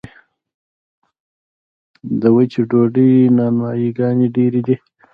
د وچې ډوډۍ نانوایي ګانې ډیرې دي